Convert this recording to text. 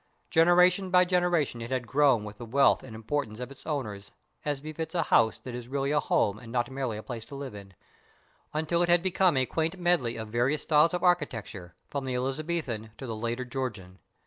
Generation by generation it had grown with the wealth and importance of its owners, as befits a house that is really a home and not merely a place to live in, until it had become a quaint medley of various styles of architecture from the Elizabethan to the later Georgian.